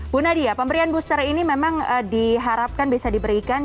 bu nadia pemberian booster ini memang diharapkan bisa diberikan